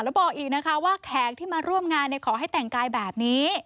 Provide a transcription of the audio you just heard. แล้วบอกอีกนะคะว่าแขกที่มาร่วมงานขอให้แต่งกายแบบนี้